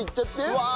うわ！